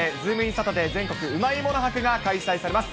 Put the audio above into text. サタデー全国うまいもの博が開催されます。